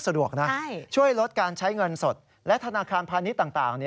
สะดวกนะช่วยลดการใช้เงินสดและธนาคารพาณิชย์ต่าง